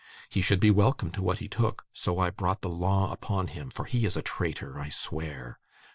He should be welcome to what he took, so I brought the law upon him; for he is a traitor, I swear!